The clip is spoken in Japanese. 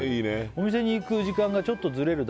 「お店に行く時間がちょっとずれるだけでも」